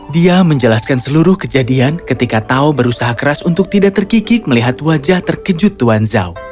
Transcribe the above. dia menjelaskan seluruh kejadian ketika tao berusaha keras untuk tidak terkikik melihat wajah terkejut tuan zhao